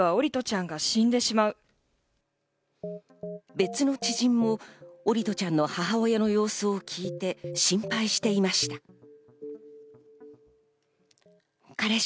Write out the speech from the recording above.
別の知人も桜利斗ちゃんの母親の様子を聞いて心配していました。